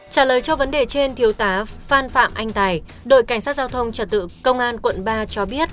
trả lời cho vấn đề trên thiếu tá phan phạm anh tài đội cảnh sát giao thông trật tự công an quận ba cho biết